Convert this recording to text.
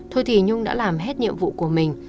thôi thì nhung đã làm hết nhiệm vụ của mình